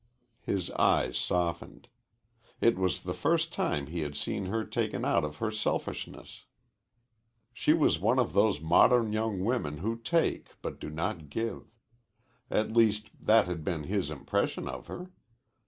His eyes softened. It was the first time he had seen her taken out of her selfishness. She was one of those modern young women who take, but do not give. At least that had been his impression of her.